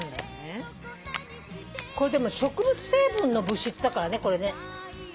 これでも植物成分の物質だからね。